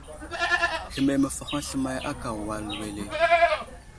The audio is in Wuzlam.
Hehme məfahoŋ slemay akà wal wele ?